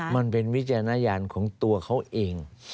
มันเป็นวิจารณญาณของตัวเขาเอง